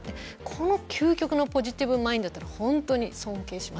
この究極のポジティブマインドは本当に尊敬します。